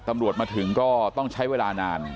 ตำรวจมาถึงก็ต้องใช้เวลานาน